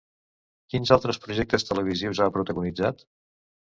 Quins altres projectes televisius ha protagonitzat?